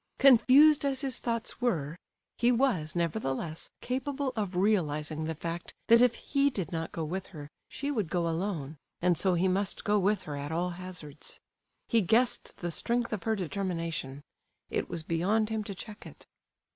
Confused as his thoughts were, he was, nevertheless, capable of realizing the fact that if he did not go with her, she would go alone, and so he must go with her at all hazards. He guessed the strength of her determination; it was beyond him to check it.